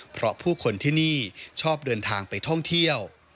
เพราะผู้คนที่นี่ชอบเดินทางไปท่องเที่ยว